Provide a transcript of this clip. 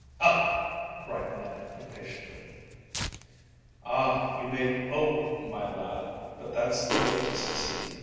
"Oh!" cried Ned impatiently. "Ah, you may `Oh,' my lad, but that's the way to succeed.